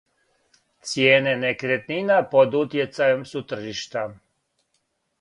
Цијене некретнина под утјецајем су тржишта.